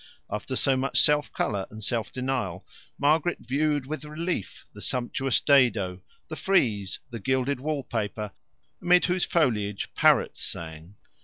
After so much self colour and self denial, Margaret viewed with relief the sumptuous dado, the frieze, the gilded wall paper, amid whose foliage parrots sang.